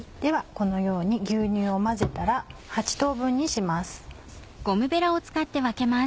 このように牛乳を混ぜたら８等分にします。